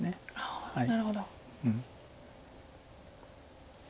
なるほど。